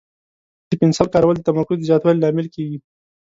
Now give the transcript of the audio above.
د پنسل کارول د تمرکز د زیاتوالي لامل کېږي.